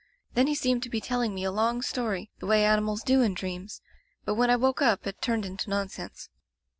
Then he seemed to be telling me a long story, the way animals do in dreams, but when I woke up it turned into nonsense.